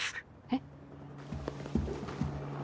えっ？